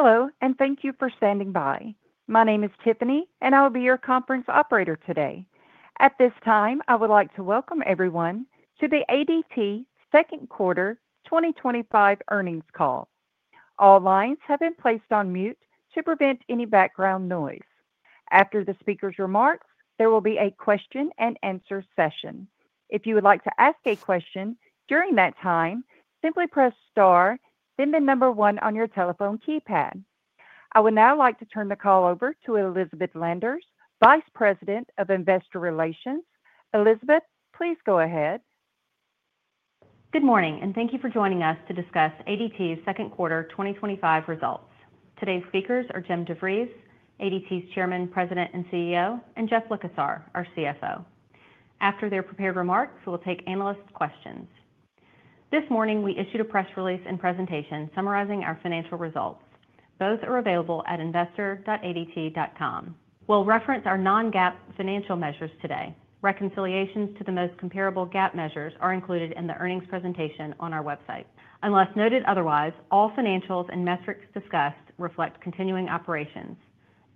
Hello, and thank you for standing by. My name is Tiffany, and I will be your conference operator today. At this time, I would like to welcome everyone to the ADT Second Quarter twenty twenty five Earnings Call. All lines have been placed on mute to prevent any background noise. After the speakers' remarks, there will be a question and answer session. I would now like to turn the call over to Elizabeth Landers, Vice President of Investor Relations. Elizabeth, please go ahead. Good morning, and thank you for joining us to discuss ADT's second quarter twenty twenty five results. Today's speakers are Jim DeVries, ADT's Chairman, President and CEO and Jeff Likasar, our CFO. After their prepared remarks, we will take analyst questions. This morning, we issued a press release and presentation summarizing our financial results. Both are available at investor.adt.com. We'll reference our non GAAP financial measures today. Reconciliations to the most comparable GAAP measures are included in the earnings presentation on our website. Unless noted otherwise, all financials and metrics discussed reflect continuing operations.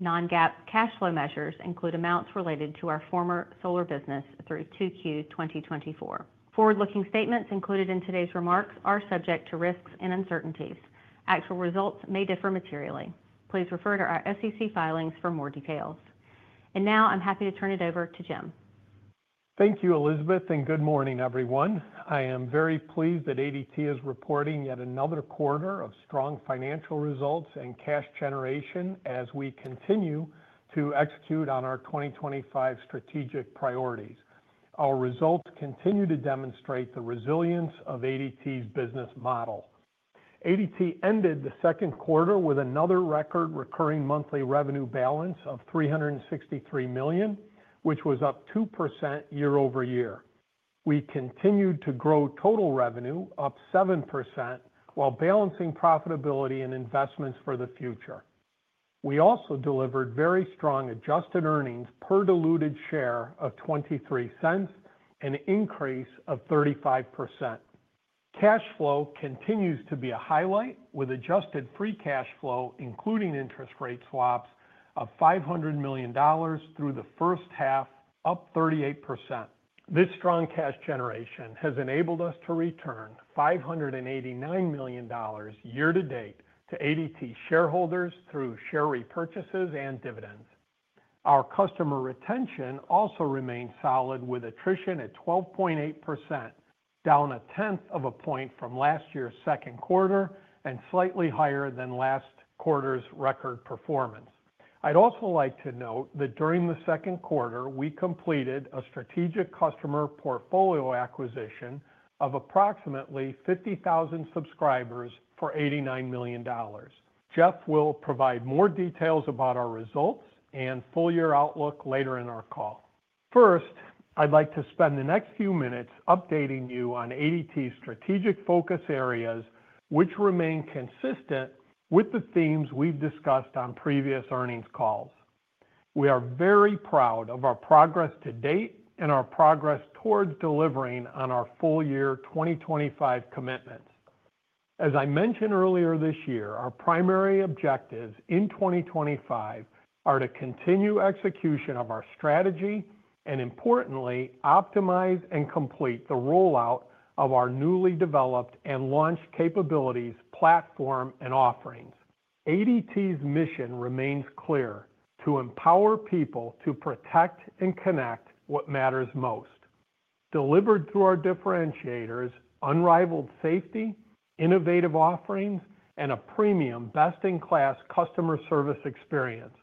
Non GAAP cash flow measures include amounts related to our former solar business through 2Q twenty twenty four. Forward looking statements included in today's remarks are subject to risks and uncertainties. Actual results may differ materially. Please refer to our SEC filings for more details. And now I'm happy to turn it over to Jim. Thank you, Elizabeth, and good morning, everyone. I am very pleased that ADT is reporting yet another quarter of strong financial results and cash generation as we continue to execute on our 2025 strategic priorities. Our results continue to demonstrate the resilience of ADT's business model. ADT ended the second quarter with another record recurring monthly revenue balance of €363,000,000 which was up 2% year over year. We continued to grow total revenue, up 7%, while balancing profitability and investments for the future. We also delivered very strong adjusted earnings per diluted share of $0.23 an increase of 35%. Cash flow continues to be a highlight with adjusted free cash flow including interest rate swaps of $500,000,000 through the first half, up 38%. This strong cash generation has enabled us to return $589,000,000 year to date to ADT shareholders through share repurchases and dividends. Our customer retention also remained solid with attrition at 12.8%, down zero one point from last year's second quarter and slightly higher than last quarter's record performance. I'd also like to note that during the second quarter, we completed a strategic customer portfolio acquisition of approximately 50,000 subscribers for $89,000,000 Jeff will provide more details about our results and full year outlook later in our call. First, I'd like to spend the next few minutes updating you on ADT's strategic focus areas, which remain consistent with the themes we've discussed on previous earnings calls. We are very proud of our progress to date and our progress towards delivering on our full year 2025 commitments. As I mentioned earlier this year, our primary objectives in 2025 are to continue execution of our strategy and importantly, optimize and complete the rollout of our newly developed and launched capabilities, platform and offerings. ADT's mission remains clear, to empower people to protect and connect what matters most, delivered through our differentiators, unrivaled safety, innovative offerings and a premium best in class customer service experience.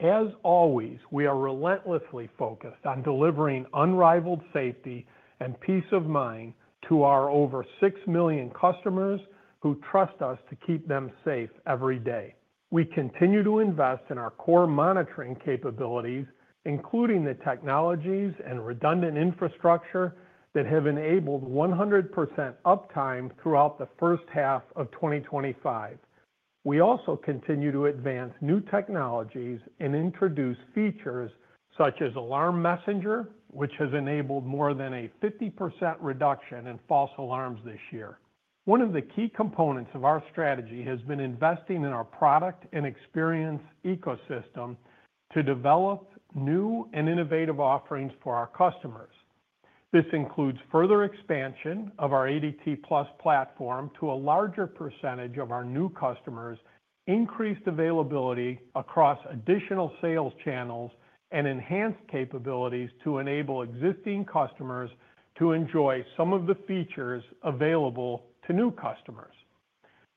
As always, we are relentlessly focused on delivering unrivaled safety and peace of mind to our over 6,000,000 customers who trust us to keep them safe every day. We continue to invest in our core monitoring capabilities, including the technologies and redundant infrastructure that have enabled 100% uptime throughout the first half of twenty twenty five. We also continue to advance new technologies and introduce features such as Alarm Messenger, which has enabled more than a 50% reduction in false alarms this year. One of the key components of our strategy has been investing in our product and experience ecosystem to develop new and innovative offerings for our customers. This includes further expansion of our ADT plus platform to a larger percentage of our new customers, increased availability across additional sales channels and enhanced capabilities to enable existing customers to enjoy some of the features available to new customers.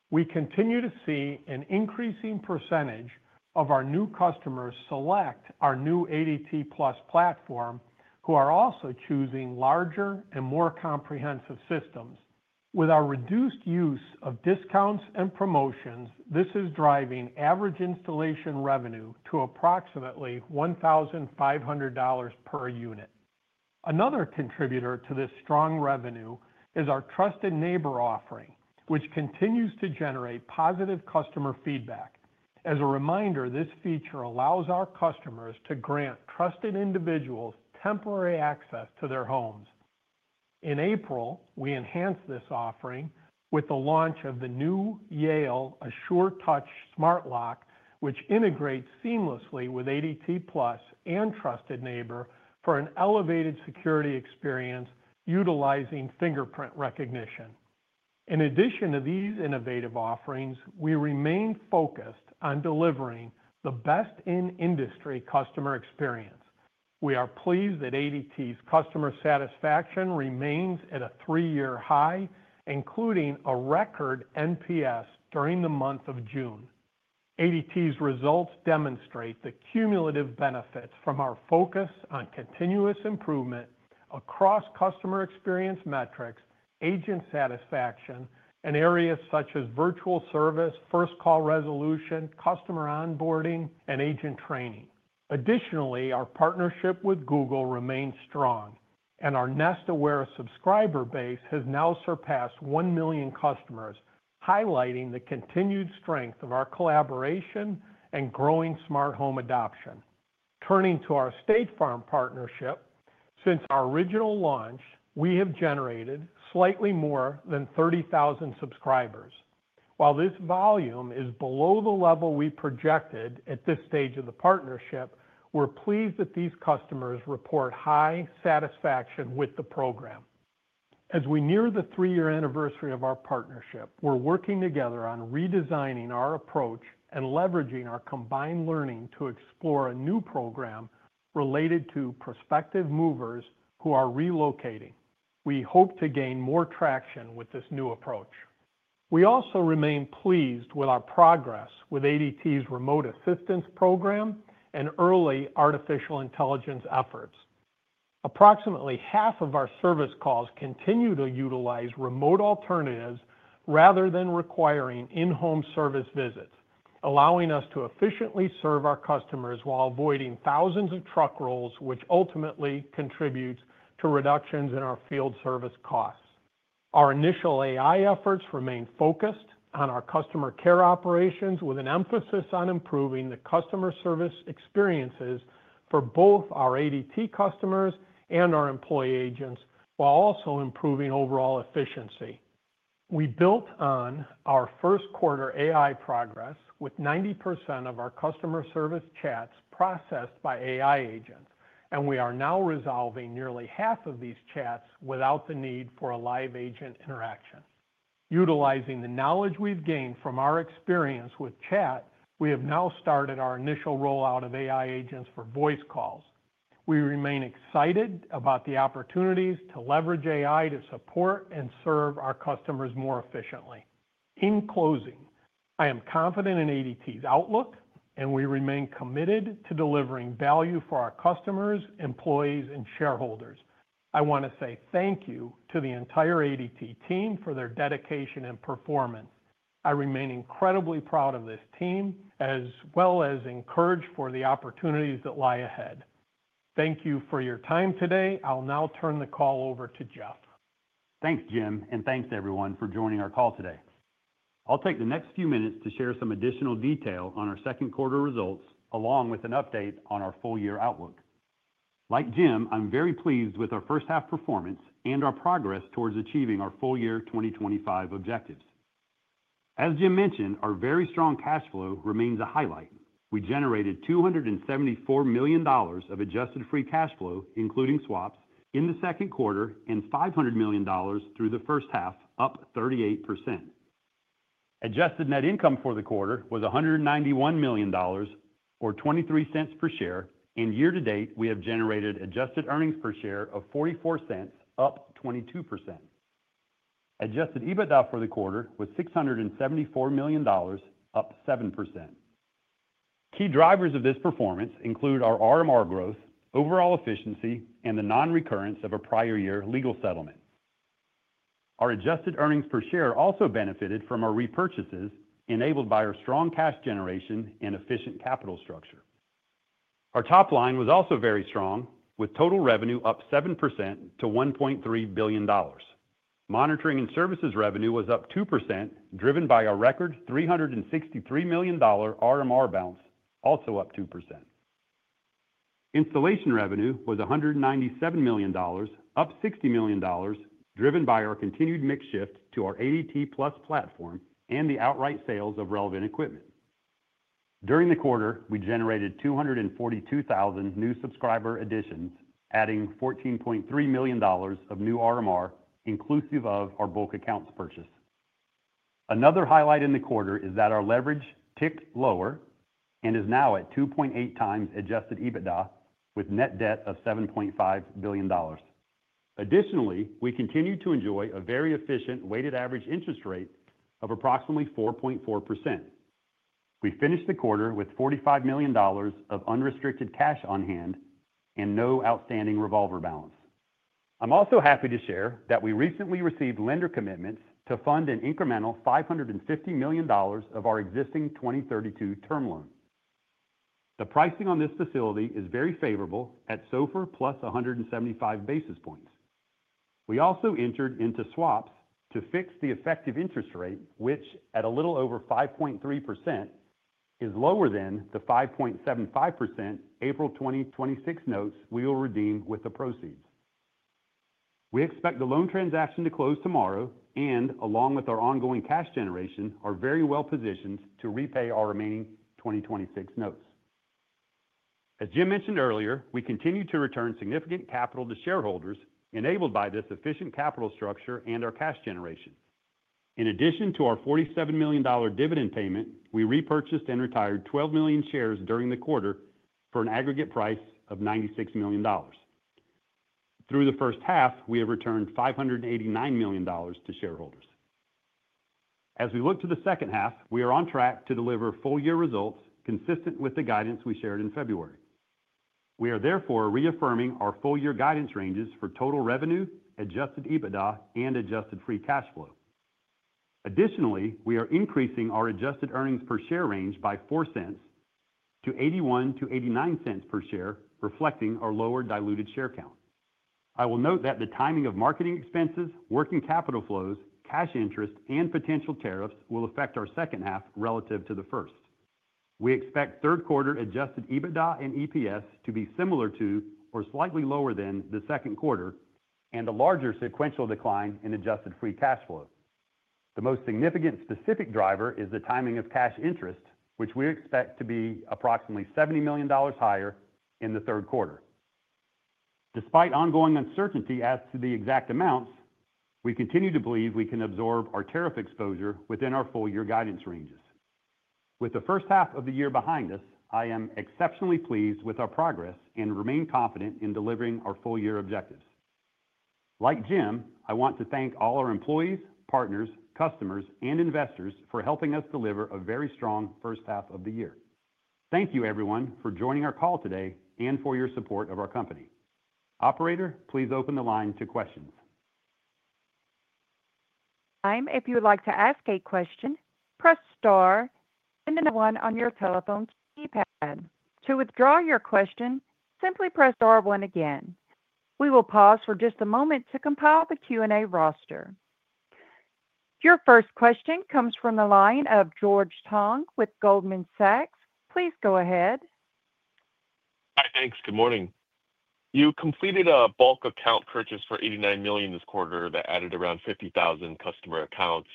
We continue to see an increasing percentage of our new customers select our new ADT plus platform, who are also choosing larger and more comprehensive systems. With our reduced use of discounts and promotions, this is driving average installation revenue to approximately $1,500 per unit. Another contributor to this strong revenue is our Trusted Neighbor offering, which continues to generate positive customer feedback. As a reminder, this feature allows our customers to grant trusted individuals temporary access to their homes. In April, we enhanced this offering with the launch of the new Yale AssureTouch Smart Lock, which integrates seamlessly with ADT plus and Trusted Neighbor for an elevated security experience utilizing fingerprint recognition. In addition to these innovative offerings, we remain focused on delivering the best in industry customer experience. We are pleased that ADT's customer satisfaction remains at a three year high, including a record NPS during the month of June. ADT's results demonstrate the cumulative benefits from our focus on continuous improvement across customer experience metrics, agent satisfaction and areas such as virtual service, first call resolution, customer onboarding and agent training. Additionally, our partnership with Google remains strong and our Nest Aware subscriber base has now surpassed 1,000,000 customers, highlighting the continued strength of our collaboration and growing smart home adoption. Turning to our State Farm partnership. Since our original launch, we have generated slightly more than 30,000 subscribers. While this volume is below the level we projected at this stage of the partnership, we're pleased that these customers report high satisfaction with the program. As we near the three year anniversary of our partnership, we're working together on redesigning our approach and leveraging our combined learning to explore a new program related to prospective movers who are relocating. We hope to gain more traction with this new approach. We also remain pleased with our progress with ADT's remote assistance program and early artificial intelligence efforts. Approximately half of our service calls continue to utilize remote alternatives rather than requiring in home service visits, allowing us to efficiently serve our customers while avoiding thousands of truck rolls, which ultimately contributes to reductions in our field service costs. Our initial AI efforts remain focused on our customer care operations with an emphasis on improving the customer service experiences for both our ADT customers and our employee agents, while also improving overall efficiency. We built on our first quarter AI progress with 90% of our customer service chats processed by AI agents, and we are now resolving nearly half of these chats without the need for a live agent interaction. Utilizing the knowledge we've gained from our experience with chat, we have now started our initial rollout of AI agents for voice calls. We remain excited about the opportunities to leverage AI to support and serve our customers more efficiently. In closing, I am confident in ADT's outlook, and we remain committed to delivering value for our customers, employees and shareholders. I want to say thank you to the entire ADT team for their dedication and performance. I remain incredibly proud of this team as well as encouraged for the opportunities that lie ahead. Thank you for your time today. I'll now turn the call over to Jeff. Thanks, Jim, and thanks, everyone, for joining our call today. I'll take the next few minutes to share some additional detail on our second quarter results along with an update on our full year outlook. Like Jim, I'm very pleased with our first half performance and our progress towards achieving our full year 2025 objectives. As Jim mentioned, our very strong cash flow remains a highlight. We generated $274,000,000 of adjusted free cash flow including swaps in the second quarter and $500,000,000 through the first half up 38%. Adjusted net income for the quarter was $191,000,000 or $0.23 per share and year to date we have generated adjusted earnings per share of $0.44 up 22%. Adjusted EBITDA for the quarter was $674,000,000 up 7%. Key drivers of this performance include our RMR growth, overall efficiency and the non recurrence of a prior year legal settlement. Our adjusted earnings per share also benefited from our repurchases enabled by our strong cash generation and efficient capital structure. Our top line was also very strong with total revenue up 7% to 1,300,000,000 Monitoring and services revenue was up 2% driven by a record $363,000,000 RMR balance also up 2%. Installation revenue was $197,000,000 up $60,000,000 driven by our continued mix shift to our ADT plus platform and the outright sales of relevant equipment. During the quarter, we generated 242,000 new subscriber additions adding $14,300,000 of new RMR inclusive of our bulk accounts purchase. Another highlight in the quarter is that our leverage ticked lower and is now at 2.8 times adjusted EBITDA with net debt of $7,500,000,000 Additionally, we continue to enjoy a very efficient weighted average interest rate of approximately 4.4%. We finished the quarter with $45,000,000 of unrestricted cash on hand and no outstanding revolver balance. I'm also happy to share that we recently received lender commitments to fund an incremental $550,000,000 of our existing 2,032 term loan. The pricing on this facility is very favorable at SOFR plus 175 basis points. We also entered into swaps to fix the effective interest rate which at a little over 5.3% is lower than the 5.75% April 2026 notes we will redeem with the proceeds. We expect the loan transaction to close tomorrow and along with our ongoing cash generation are very well positioned to repay our remaining 2026 notes. As Jim mentioned earlier, we continue to return significant capital to shareholders enabled by this efficient capital structure and our cash generation. In addition to our $47,000,000 dividend payment, we repurchased and retired 12,000,000 shares during the quarter for an aggregate price of $96,000,000 Through the first half, we have returned $589,000,000 to shareholders. As we look to the second half, we are on track to deliver full year results consistent with the guidance we shared in February. We are therefore reaffirming our full year guidance ranges for total revenue, adjusted EBITDA and adjusted free cash flow. Additionally, we are increasing our adjusted earnings per share range by $04 to $0.81 to $0.89 per share reflecting our lower diluted share count. I will note that the timing of marketing expenses, working capital flows, cash interest and potential tariffs will affect our second half relative to the first. We expect third quarter adjusted EBITDA and EPS to be similar to or slightly lower than the second quarter and a larger sequential decline in adjusted free cash flow. The most significant specific driver is the timing of cash interest which we expect to be approximately $70,000,000 higher in the third quarter. Despite ongoing uncertainty as to the exact amounts, we continue to believe we can absorb our tariff exposure within our full year guidance ranges. With the first half of the year behind us, I am exceptionally pleased with our progress and remain confident in delivering our full year objectives. Like Jim, I want to thank all our employees, partners, customers and investors for helping us deliver a very strong first half of the year. Thank you everyone for joining our call today and for your support of our company. Operator, please open the line to questions. Your first question comes from the line of George Tong with Goldman Sachs. Please go ahead. Hi, thanks. Good morning. You completed a bulk account purchase for $89,000,000 this quarter that added around 50,000 customer accounts.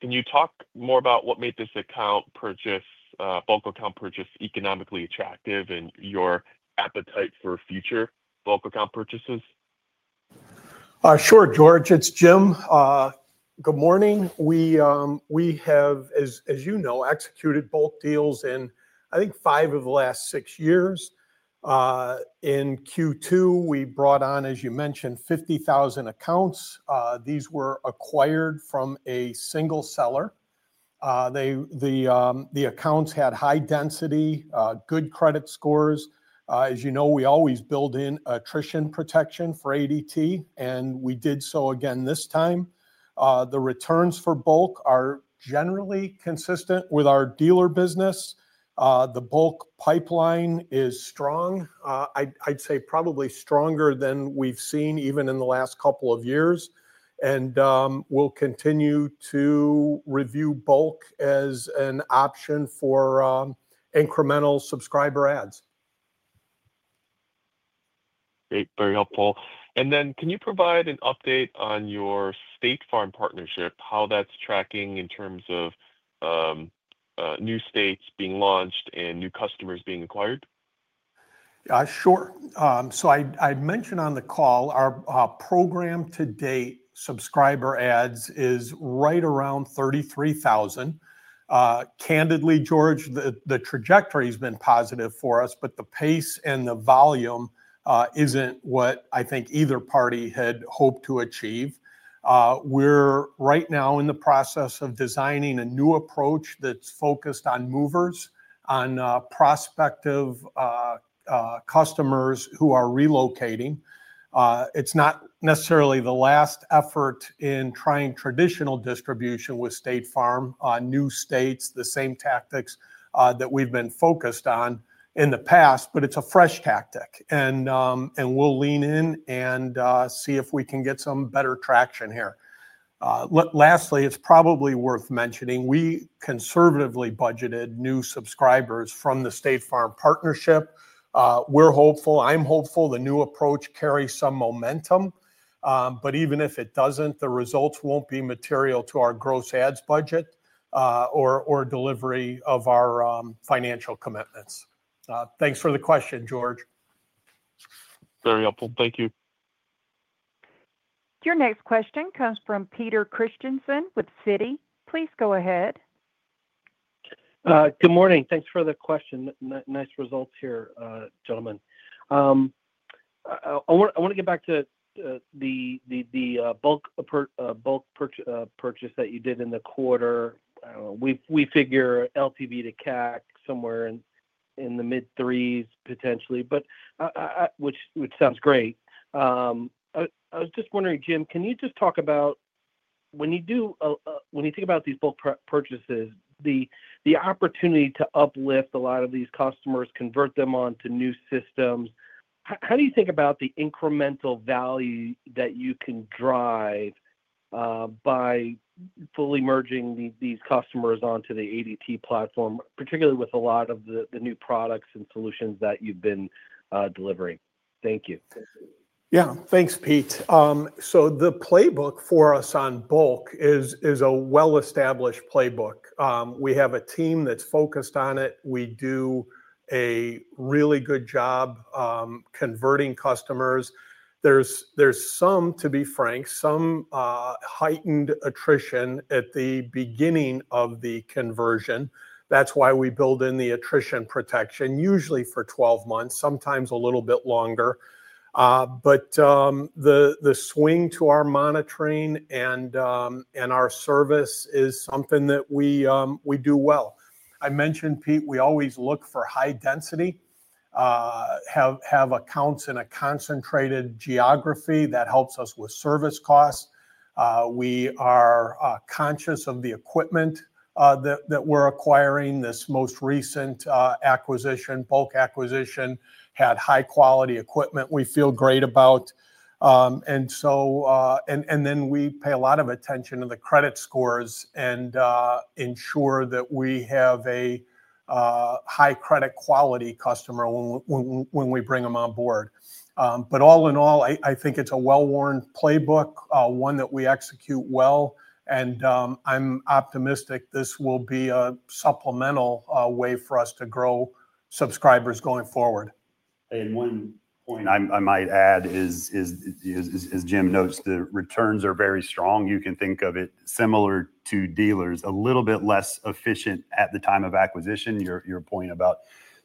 Can you talk more about what made this account purchase bulk account purchase economically attractive and your appetite for future bulk account purchases? Sure, George. It's Jim. Good morning. We we have, as as you know, executed both deals in, I think, five of the last six years. In q two, we brought on, as you mentioned, 50,000 accounts. These were acquired from a single seller. They the the accounts had high density, good credit scores. As you know, we always build in attrition protection for ADT, and we did so again this time. The returns for bulk are generally consistent with our dealer business. The bulk pipeline is strong. I'd I'd say probably stronger than we've seen even in the last couple of years. And, we'll continue to review bulk as an option for, incremental subscriber ads. Great. Very helpful. And then can you provide an update on your State Farm partnership? How that's tracking in terms of new states being launched and new customers being acquired? Sure. So I'd I'd mentioned on the call, our program to date subscriber ads is right around 33,000. Candidly, George, the the trajectory has been positive for us, but the pace and the volume isn't what I think either party had hoped to achieve. We're right now in the process of designing a new approach that's focused on movers, on prospective customers who are relocating. It's not necessarily the last effort in trying traditional distribution with State Farm on new states, the same tactics that we've been focused on in the past, but it's a fresh tactic. And and we'll lean in and see if we can get some better traction here. Lastly, it's probably worth mentioning, we conservatively budgeted new subscribers from the State Farm partnership. We're hopeful. I'm hopeful the new approach carries some momentum. But even if it doesn't, the results won't be material to our gross ads budget or or delivery of our financial commitments. Thanks for the question, George. Very helpful. Thank you. Your next question comes from Peter Christiansen with Citi. Please go ahead. Good morning. Thanks for the question. Nice results here, gentlemen. I want to get back to the bulk purchase that you did in the quarter. We figure LTV to CAC somewhere in the mid threes potentially, but which sounds great. I was just wondering, Jim, can you just talk about when you do when you think about these bulk purchases, the opportunity to uplift a lot of these customers, convert them on to new systems, how do you think about the incremental value that you can drive by fully merging these customers onto the ADT platform, particularly with a lot of the the new products and solutions that you've been delivering? Thank you. Yeah. Thanks, Pete. So the playbook for us on bulk is is a well established playbook. We have a team that's focused on it. We do a really good job converting customers. There's there's some, to be frank, some heightened attrition at the beginning of the conversion. That's why we build in the attrition protection usually for twelve months, sometimes a little bit longer. But the the swing to our monitoring and and our service is something that we we do well. I mentioned, Pete, we always look for high density, have have accounts in a concentrated geography that helps us with service costs. We are conscious of the equipment that that we're acquiring. This most recent acquisition bulk acquisition had high quality equipment we feel great about. And so and and then we pay a lot of attention to the credit scores and ensure that we have a high credit quality customer when we bring them on board. But all in all, I I think it's a well worn playbook, one that we execute well, and optimistic this will be a supplemental way for us to grow subscribers going forward. And one point I I might add is is is Jim knows the returns are very strong. You can think of it similar to dealers, a little bit less efficient at the time of acquisition, your your point about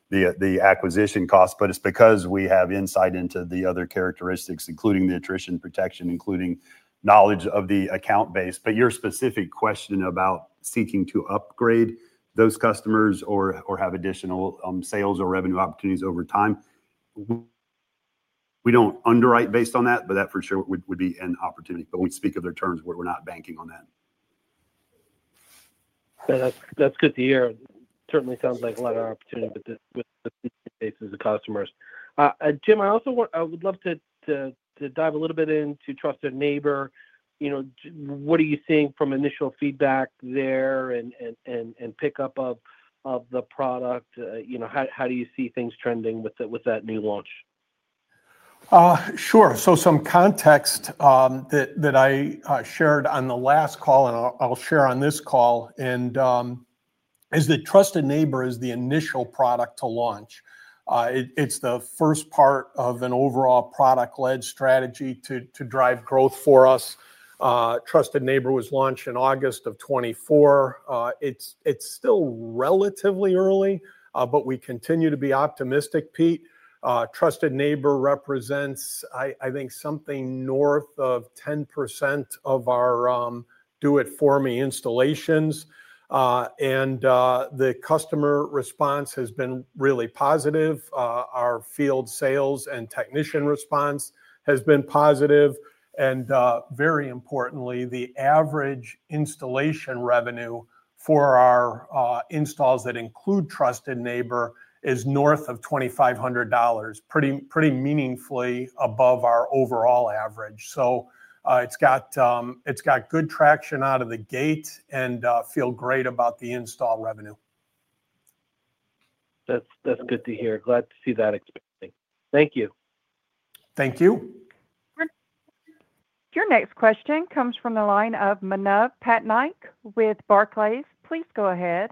the the acquisition cost. But it's because we have insight into the other characteristics, including the attrition protection, including knowledge of the account base. But your specific question about seeking to upgrade those customers or or have additional, sales or revenue opportunities over time, we don't underwrite based on that, but that for sure would would be an opportunity. But we speak of their terms where we're not banking on that. That's that's good to hear. Certainly sounds like a lot of opportunity with the with the basis of customers. Jim, I also want I would love to to to dive a little bit into trusted neighbor. You know, what are you seeing from initial feedback there and and and and pickup of of the product? You know, how how do you see things trending with the with that new launch? Sure. So some context that that I shared on the last call, and I'll I'll share on this call, and is that Trusted Neighbor is the initial product to launch. It it's the first part of an overall product led strategy to to drive growth for us. Trusted Neighbor was launched in August. It's it's still relatively early, but we continue to be optimistic, Pete. Trusted Neighbor represents, I I think, something north of 10% of our do it for me installations. And customer response has been really positive. Our field sales and technician response has been positive. And very importantly, the average installation revenue for our installs that include trusted neighbor is north of $2,500, pretty pretty meaningfully above our overall average. So it's got it's got good traction out of the gate and feel great about the install revenue. That's that's good to hear. Glad to see that. Thank you. Thank you. Your next question comes from the line of Patnaik with Barclays. Please go ahead.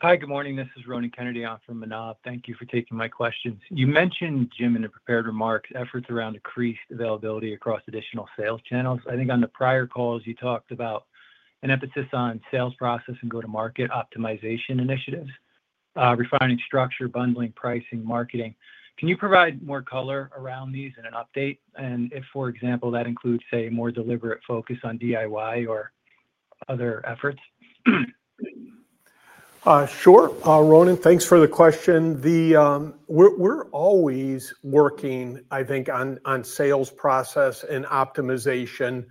Hi, good morning. This is Ronny Kennedy on for Manav. Thank you for taking my questions. You mentioned Jim in the prepared remarks efforts around increased availability across additional sales channels. I think on the prior calls, talked about an emphasis on sales process and go to market optimization initiatives, refining structure, bundling pricing, marketing. Can you provide more color around these and an update? And if, for example, that includes, say, more deliberate focus on DIY or other efforts? Sure. Ronan, thanks for the question. The we're we're always working, I think, on on sales process and optimization,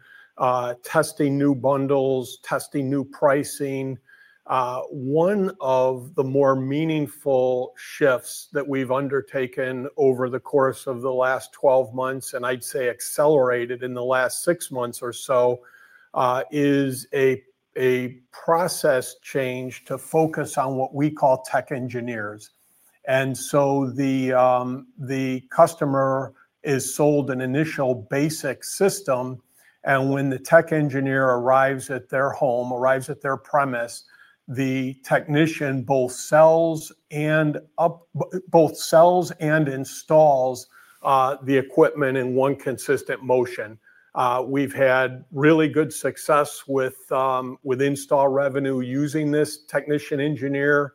testing new bundles, testing new pricing. One of the more meaningful shifts that we've undertaken over the course of the last twelve months, and I'd say accelerated in the last six months or so, is a a process change to focus on what we call tech engineers. And so the the customer is sold an initial basic system, and when the tech engineer arrives at their home, arrives at their premise, the technician both sells and up both sells and installs the equipment in one consistent motion. We've had really good success with with install revenue using this technician engineer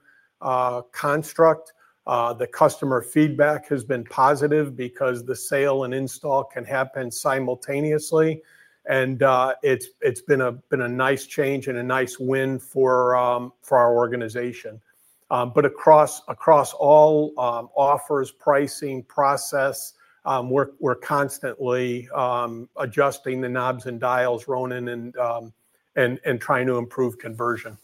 construct. The customer feedback has been positive because the sale and install can happen simultaneously, and it's it's been a been a nice change and a nice win for for our organization. But across across all offers, pricing process, we're we're constantly adjusting the knobs and dials, Ronan, and and and trying to improve conversion.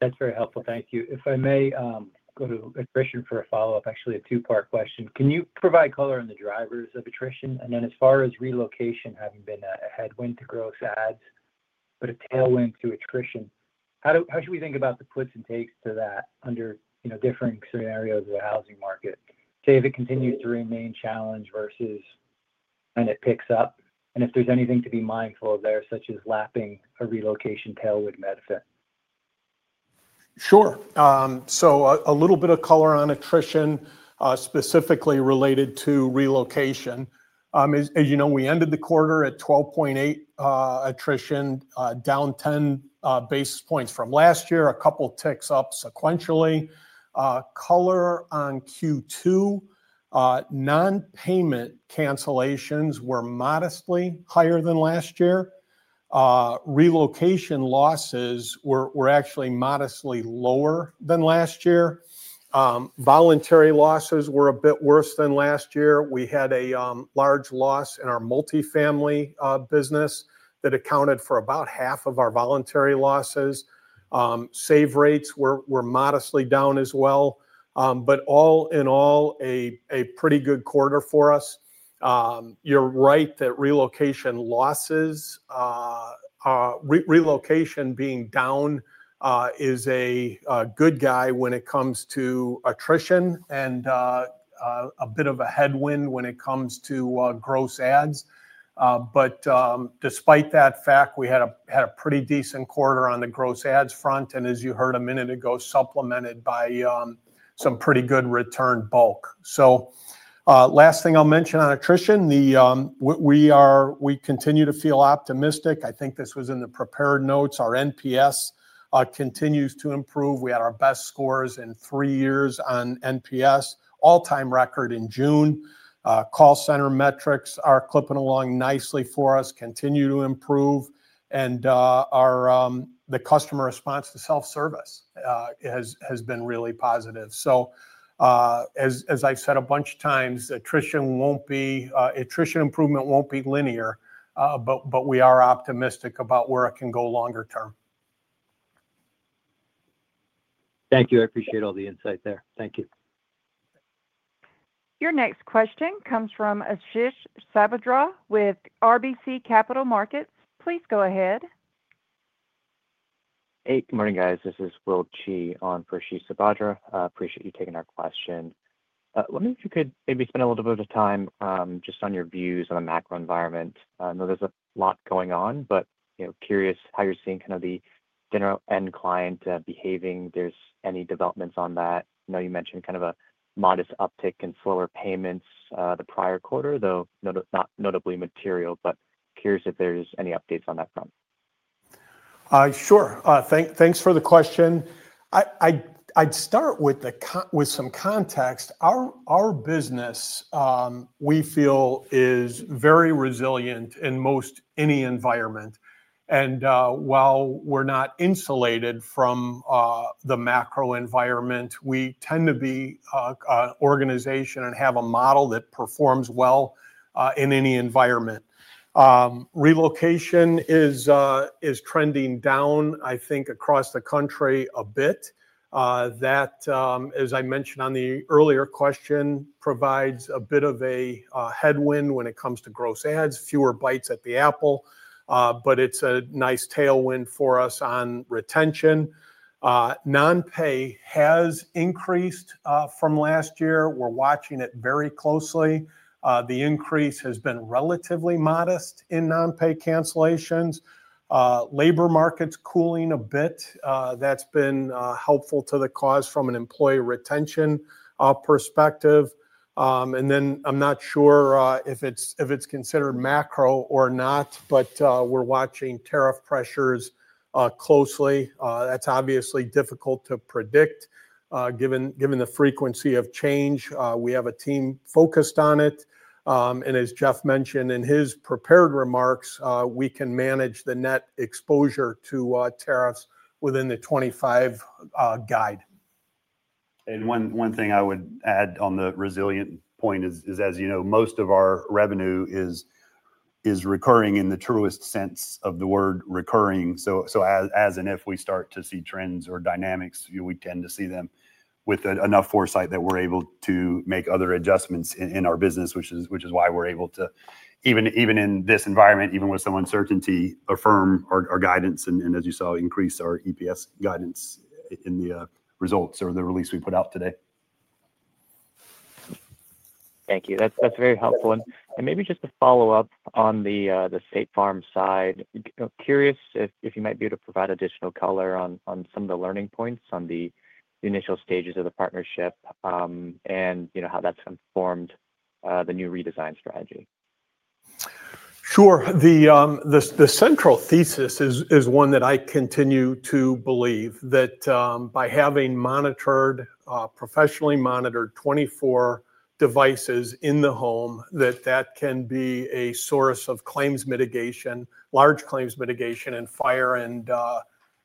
That's very helpful. Thank you. If I may go to attrition for a follow-up, actually a two part question. Can you provide color on the drivers of attrition? Then as far as relocation having been a headwind to gross adds but a tailwind to attrition, how do how should we think about the puts and takes to that under, you know, different scenarios of the housing market? Say, if it continues to remain challenged versus and it picks up. And if there's anything to be mindful of there such as lapping a relocation tail with MedFit. Sure. So a little bit of color on attrition, specifically related to relocation. As as you know, we ended the quarter at 12.8 attrition, down 10 basis points from last year, a couple ticks up sequentially. Color on q two. Nonpayment cancellations were modestly higher than last year. Relocation losses were were actually modestly lower than last year. Voluntary losses were a bit worse than last year. We had a large loss in our multifamily business that accounted for about half of our voluntary losses. Save rates were were modestly down as well. But all in all, a a pretty good quarter for us. You're right that relocation losses relocation being down is a good guy when it comes to attrition and a bit of a headwind when it comes to gross ads. But despite that fact, we had a had a pretty decent quarter on the gross ads front and as you heard a minute ago, supplemented by some pretty good return bulk. So last thing I'll mention on attrition, the we are we continue to feel optimistic. I think this was in the prepared notes. Our NPS continues to improve. We had our best scores in three years on NPS, all time record in June. Call center metrics are clipping along nicely for us, continue to improve, and our the customer response to self-service has has been really positive. So as as I've said a bunch of times, attrition won't be attrition improvement won't be linear, but but we are optimistic about where it can go longer term. Thank you. I appreciate all the insight there. Thank you. Your next question comes from Ashish Sabadra with RBC Capital Markets. Please go ahead. Hey, good morning guys. This is Will Chi on for Ashish Sabadra. I appreciate you taking our question. Wondering if you could maybe spend a little bit of time just on your views on the macro environment. I know there's a lot going on, but curious how you're seeing kind of the general end client behaving, if there's any developments on that. I know you mentioned kind of a modest uptick in slower payments the prior quarter, though not notably material, but curious if there's any updates on that front. Sure. Thanks for the question. I'd start with some context. Our business, we feel, is very resilient in most any environment. And while we're not insulated from the macro environment, we tend to be a organization and have a model that performs well in any environment. Relocation is is trending down, I think, across the country a bit. That, as I mentioned on the earlier question, provides a bit of a headwind when it comes to gross ads, fewer bites at the apple. But it's a nice tailwind for us on retention. Non pay has increased from last year. We're watching it very closely. The increase has been relatively modest in non pay cancellations. Labor market's cooling a bit. That's been helpful to the cause from an employee retention perspective. And then I'm not sure if it's if it's considered macro or not, but we're watching tariff pressures closely. That's obviously difficult to predict given given the frequency of change. We have a team focused on it. And as Jeff mentioned in his prepared remarks, we can manage the net exposure to tariffs within the 25, guide. And one one thing I would add on the resilient point is is, as you know, most of our revenue is is recurring in the truest sense of the word recurring. So so as as and if we start to see trends or dynamics, you tend to see them with enough foresight that we're able to make other adjustments in in our business, which is which is why we're able to, even even in this environment, even with some uncertainty, affirm our our guidance and and as you saw, increase our EPS guidance in the results or the release we put out today. Thank you. That's that's very helpful. And and maybe just a follow-up on the, the State Farm side. Curious if if you might be able to provide additional color on on some of the learning points on the initial stages of the partnership, and, you know, how that's informed the new redesign strategy? Sure. The the the central thesis is is one that I continue to believe that by having monitored professionally monitored 24 devices in the home that that can be a source of claims mitigation, large claims mitigation, and fire and,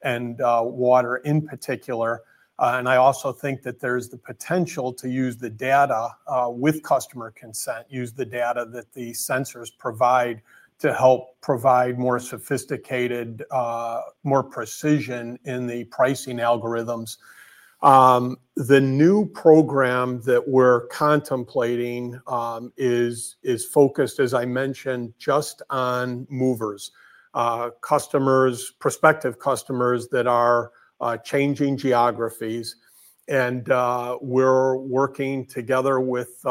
and, water in particular. And I also think that there's the potential to use the data with customer consent, use the data that the sensors provide to help provide more sophisticated, more precision in the pricing algorithms. The new program that we're contemplating is is focused, as I mentioned, just on movers. Customers prospective customers that are changing geographies, And we're working together with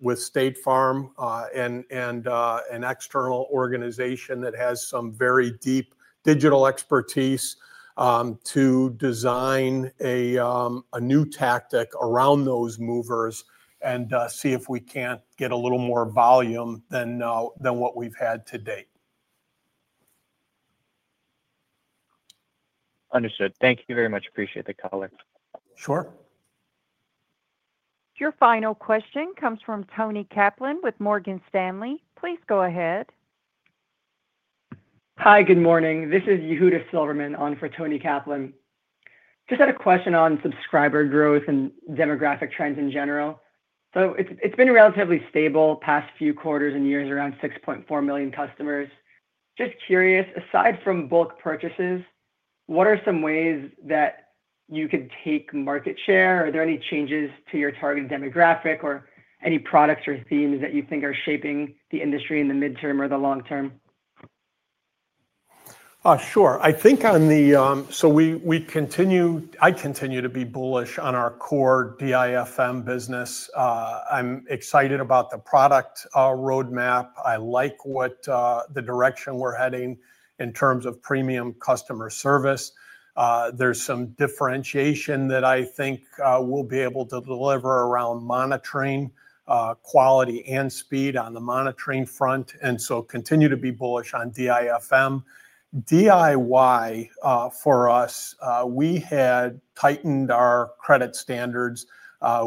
with State Farm and and an external organization that has some very deep digital expertise to design a a new tactic around those movers and see if we can get a little more volume than now than what we've had to date. Understood. Thank you very much. Appreciate the color. Sure. Your final question comes from Toni Kaplan with Morgan Stanley. Please go ahead. Hi, good morning. This is Yehuda Silverman on for Toni Kaplan. Just had a question on subscriber growth and demographic trends in general. So it's it's been relatively stable past few quarters and years around 6,400,000 customers. Just curious, aside from bulk purchases, what are some ways that you could take market share? Are there any changes to your target demographic or any products or themes that you think are shaping the industry in the midterm or the long term? Sure. I think on the so we we continue I continue to be bullish on our core DIFM business. I'm excited about the product road map. I like what the direction we're heading in terms of premium customer service. There's some differentiation that I think we'll be able to deliver around monitoring quality and speed on the monitoring front, and so continue to be bullish on DIFM. DIY for us, we had tightened our credit standards.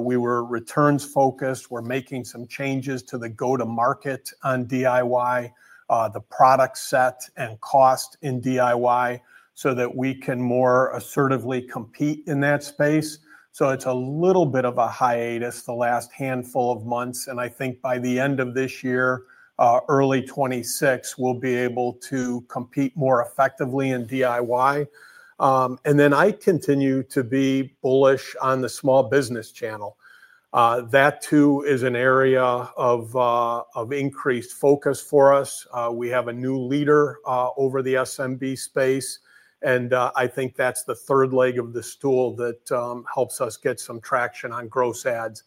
We were returns focused. We're making some changes to the go to market on DIY, the product set and cost in DIY so that we can more assertively compete in that space. So it's a little bit of a hiatus the last handful of months. And I think by the end of this year, early twenty six, we'll be able to compete more effectively in DIY. And then I continue to be bullish on the small business channel. That too is an area of of increased focus for us. We have a new leader over the SMB space, and I think that's the third leg of the stool that helps us get some traction on gross ads.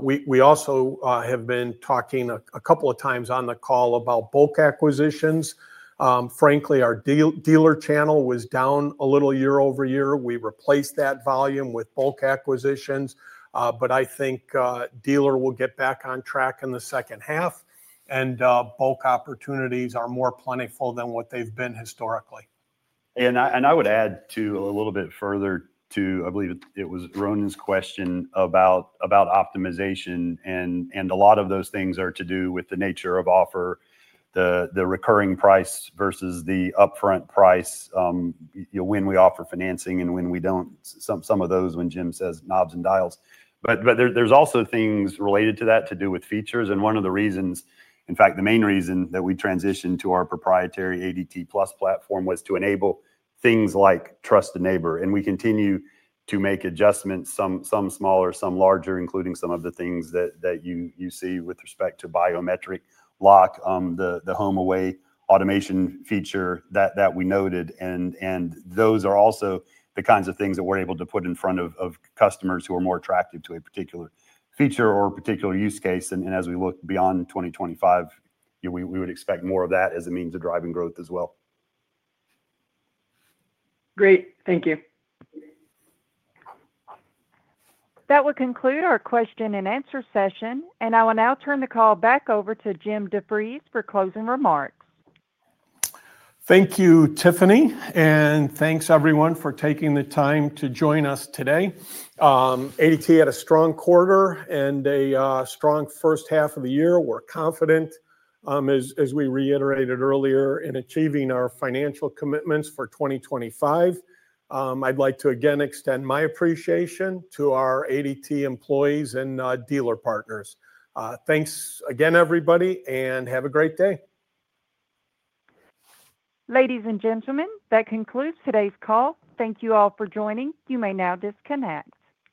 We we also have been talking a couple of times on the call about bulk acquisitions. Frankly, our deal dealer channel was down a little year over year. We replaced that volume with bulk acquisitions, but I think, dealer will get back on track in the second half, and, bulk opportunities are more plentiful than what they've been historically. And I and I would add too a little bit further to I believe it it was Ronen's question about about optimization, and and a lot of those things are to do with the nature of offer, the the recurring price versus the upfront price, you know, when we offer financing and when we don't. Some some of those when Jim says knobs and dials. But but there there's also things related to that to do with features. And one of the reasons in fact, the main reason that we transitioned to our proprietary ADT plus platform was to enable things like trust the neighbor. And we continue to make adjustments, some some smaller, some larger, including some of the things that that you you see with respect to biometric lock, the the home away automation feature that that we noted. And and those are also the kinds of things that we're able to put in front of of customers who are more attracted to a particular feature or particular use case. And and as we look beyond 2025, you know, we we would expect more of that as a means of driving growth as well. Great. Thank you. That will conclude our question and answer session. And I will now turn the call back over to Jim DeFries for closing remarks. Thank you, Tiffany, and thanks, everyone, for taking the time to join us today. ADT had a strong quarter and a strong first half of the year. We're confident, as as we reiterated earlier, in achieving our financial commitments for 2025. I'd like to again extend my appreciation to our ADT employees and dealer partners. Thanks again, everybody, and have a great day. Ladies and gentlemen, that concludes today's call. Thank you all for joining. You may now disconnect.